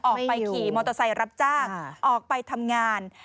ออกไปขี่มอเตอร์ไซค์รับจ้างออกไปทำงาน